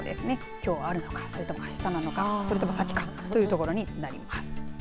きょうあるのかそれともあしたなのかそれとも先かというところになります。